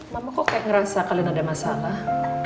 mama kok kayak ngerasa kalian ada masalah